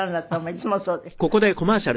いつもそうでした。